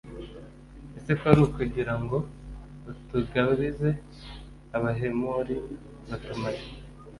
ese kwari ukugira ngo utugabize abahemori batumare?